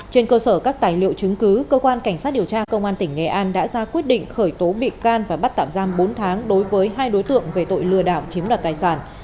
trên cơ sở các tài liệu chứng cứ cơ quan cảnh sát điều tra công an tỉnh nghệ an đã ra quyết định khởi tố bị can và bắt tạm giam bốn tháng đối với hai đối tượng về tội lừa đảo chiếm đoạt tài sản